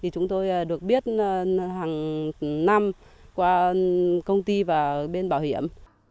chúng tôi được biết hàng năm qua công ty và bên bảo hiểm